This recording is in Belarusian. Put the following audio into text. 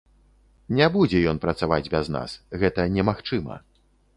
Не будзе ён працаваць без нас, гэта немагчыма.